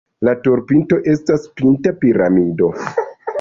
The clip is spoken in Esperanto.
La turopinto estas pinta piramido.